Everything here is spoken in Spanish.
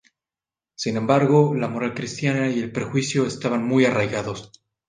Sin embargo, la moral cristiana y el prejuicio estaban muy arraigados.